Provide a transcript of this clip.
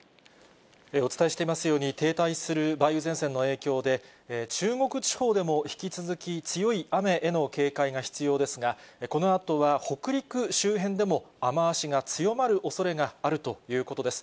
お伝えしていますように、停滞する梅雨前線の影響で、中国地方でも引き続き強い雨への警戒が必要ですが、このあとは北陸周辺でも、雨足が強まるおそれがあるということです。